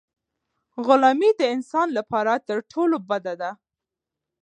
غلامي د انسان لپاره تر ټولو بده ده.